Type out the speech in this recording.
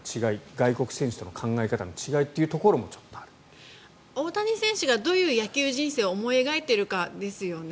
外国選手との考え方の違いというところも大谷選手がどういう野球人生を思い描いてるかですよね。